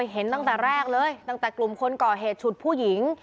เห็นตั้งแต่แรกเลยตั้งแต่กลุ่มคนก่อเหตุฉุดผู้หญิง